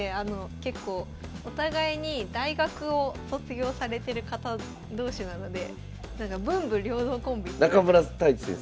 結構お互いに大学を卒業されてる方同士なので中村太地先生？